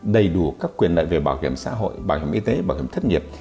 đầy đủ các quyền lợi về bảo hiểm xã hội bảo hiểm y tế bảo hiểm thất nghiệp